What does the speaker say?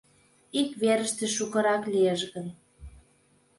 — Ик верыште шукырак лиеш гын...